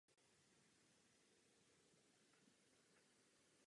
Pozdější život byl poznamenán těžkou nemocí.